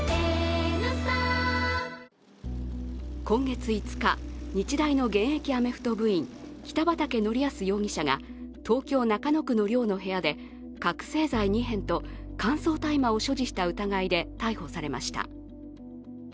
今月５日、日大の現役アメフト部員・北畠成文容疑者が東京・中野区の寮の部屋で覚醒剤２本と乾燥大麻を所持した疑いで逮捕されました。